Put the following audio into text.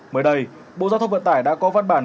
mới đây bộ giao thông vận tải đã có văn bản